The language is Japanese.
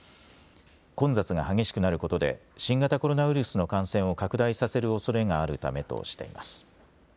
混雑が激しくなることで新型コロナウイルスの感染を拡大させるおそれがあるためとしています。